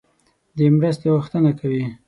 د مرستې غوښتنه کوي.